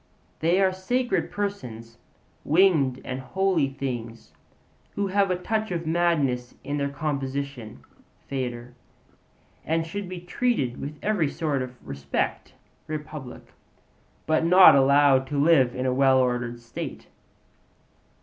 They are sacred persons, 'winged and holy things' who have a touch of madness in their composition (Phaedr.), and should be treated with every sort of respect (Republic), but not allowed to live in a well ordered state.